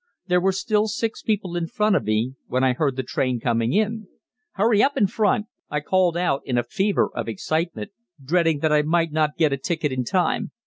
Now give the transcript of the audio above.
There were still six people in front of me, when I heard the train coming in. "Hurry up in front!" I called out in a fever of excitement, dreading that I might not get a ticket in time.